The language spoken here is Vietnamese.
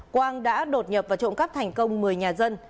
quang đã đột nhập và trộm cắp thành công một mươi nhà dân